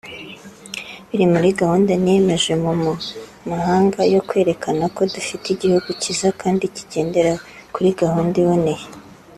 biri muri gahunda niyemeje mu mu mahanga yo kwerekana ko dufite igihugu cyiza kandi kigendera kuri gahunda iboneye